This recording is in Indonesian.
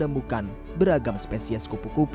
dan menemukan beragam spesies kupu kupu